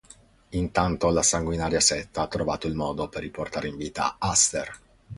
Intanto la sanguinaria setta ha trovato il modo per riportare in vita Aster.